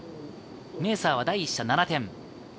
メーサーは第１射、７点。